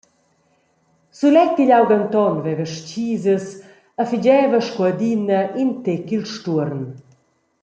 Sulet igl aug Anton veva stgisas e fageva sco adina in tec il stuorn.